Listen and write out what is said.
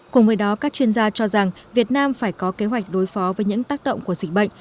cùng với đó các chuyên gia cho rằng việt nam phải có kế hoạch đối phó với những tác động của dịch bệnh